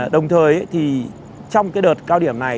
đồng thời thì trong cái đợt cao điểm này